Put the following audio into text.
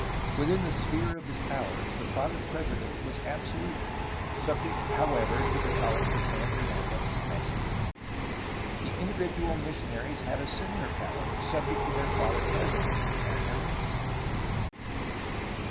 Within the sphere of his powers the Father President was absolute, subject however to the College of San Fernando in Mexico. The individual missionaries had a similar power, subject to the Father President, at their missions.